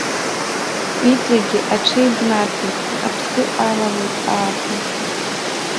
Иҵегьы аҽеибнаҭеит, аԥсы алалеит ааԥын.